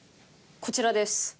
こちらです。